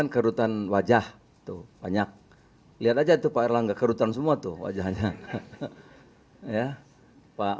kerutan wajah tuh banyak lihat aja tuh pak erlangga kerutan semua tuh wajahnya ya pak